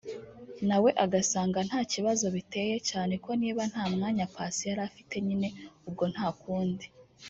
nawe agasanga nta n'ikibazo biteye cyane ko niba nta mwanya Paccy yari afite nyine ubwo nta kundi